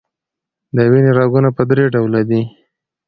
د وینې رګونه په دری ډوله دي.